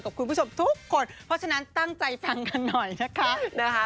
คุณผู้ชมทุกคนเพราะฉะนั้นตั้งใจฟังกันหน่อยนะคะ